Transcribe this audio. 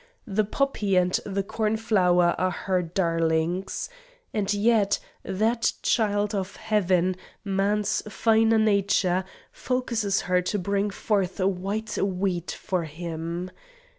The poppy and the corn flower are her darlings. And yet, that child of Heaven, man's finer nature, forces her to bring forth white wheat for him!